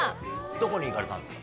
どこに行かれたんですか？